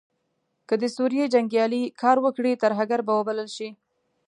که د سوریې جنګیالې کار وکړي ترهګر به وبلل شي.